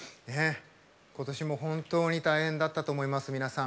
ことしも本当に大変だったと思います、皆さん。